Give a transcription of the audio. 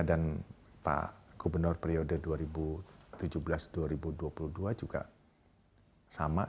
dan pak gubernur periode dua ribu tujuh belas dua ribu dua puluh dua juga sama